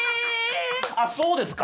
あそうですか？